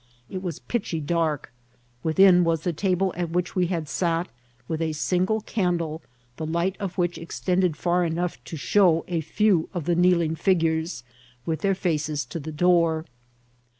It was pitchy dark ; within was the table at which we had sat, with a sing^ candle, the light o£ which extended far enough to show a few of the kneel* ing figures, with their faces to the door.